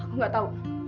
aku nggak tahu